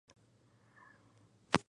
Una de sus abuelas era galesa.